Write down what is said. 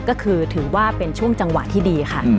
ก็คือถือว่าเป็นช่วงจังหวะที่ดีค่ะ